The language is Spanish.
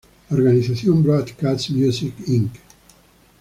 La organización Broadcast Music, Inc.